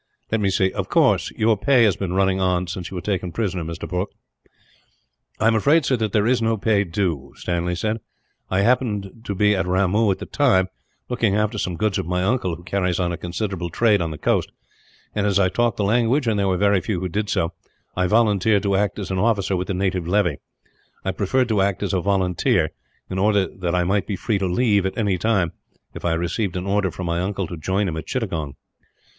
"Let me see. Of course, your pay has been running on, since you were taken prisoner, Mr. Brooke." "I am afraid, sir, that there is no pay due," Stanley said. "I happened to be at Ramoo at the time, looking after some goods of my uncle, who carries on a considerable trade on the coast; and as I talk the language, and there were very few who did so, I volunteered to act as an officer with the native levy. I preferred to act as a volunteer, in order that I might be free to leave, at any time, if I received an order from my uncle to join him at Chittagong.